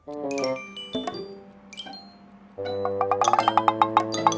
อัลติด